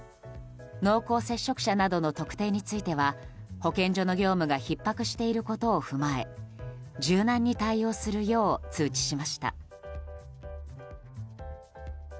濃厚接触者などの特定については保健所の業務がひっ迫していることを踏まえ柔軟に対応するよう通知しました。